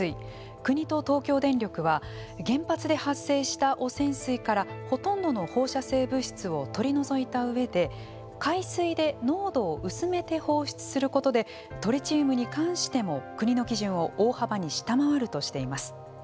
国と東京電力は原発で発生した汚染水からほとんどの放射性物質を取り除いたうえで海水で濃度を薄めて放出することでトリチウムに関しても国の基準を大幅に下回るとしています。